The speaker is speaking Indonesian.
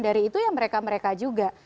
dari itu ya mereka mereka juga